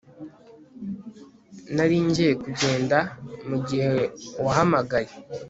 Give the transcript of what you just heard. Nari ngiye kugenda mugihe wahamagaye